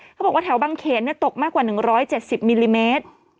เขาบอกว่าแถวบางเขนตกมากกว่า๑๗๐มิลลิเมตร